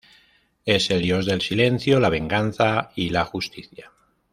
Es el dios del silencio, la venganza y la justicia.